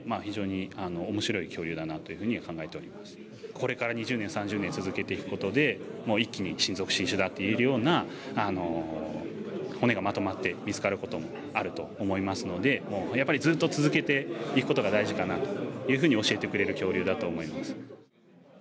これから２０年３０年、続けていくことで新種だといえるような骨がまとまって見つかることもあると思いますのでやっぱりずっと続けていくことが大事かなと教えてくれる恐竜だと思います。